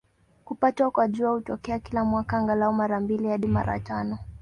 Kupatwa kwa Jua hutokea kila mwaka, angalau mara mbili hadi mara tano.